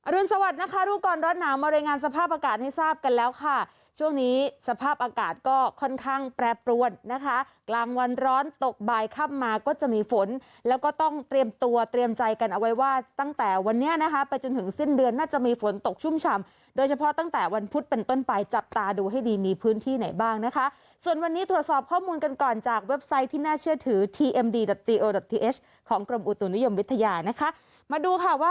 อรุณสวัสดิ์นะคะลูกกรรมรถหนาวมารายงานสภาพอากาศให้ทราบกันแล้วค่ะช่วงนี้สภาพอากาศก็ค่อนข้างแปรปรวนนะคะกลางวันร้อนตกบ่ายขับมาก็จะมีฝนแล้วก็ต้องเตรียมตัวเตรียมใจกันเอาไว้ว่าตั้งแต่วันนี้นะคะไปจนถึงสิ้นเดือนน่าจะมีฝนตกชุ่มฉ่ำโดยเฉพาะตั้งแต่วันพุธเป็นต้นปลายจับตาด